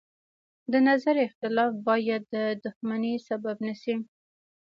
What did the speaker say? د نظر اختلاف باید د دښمنۍ سبب نه شي.